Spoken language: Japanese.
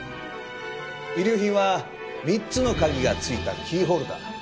遺留品は３つの鍵がついたキーホルダー。